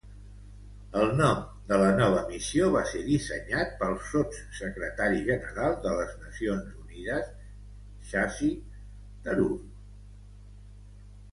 El nom de la nova missió va ser dissenyat pel Sotssecretari General de les Nacions Unides Shashi Tharoor.